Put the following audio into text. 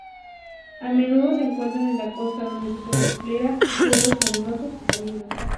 A menudo se encuentra en la costa donde se tolera suelos arenosos y salinos.